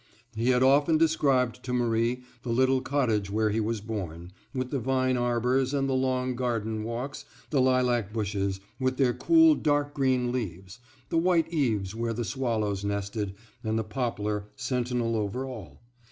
He had often described to Marie the little cottage where he was born, with the vine arbors and the long garden walks, the lilac bushes, with their cool dark green leaves, the white eaves where the swallows nested, and the poplar, sentinel over all.